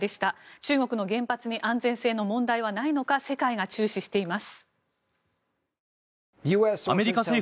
中国の原発に安全性の問題はないのか世界が注視しています。